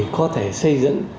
có thể xây dựng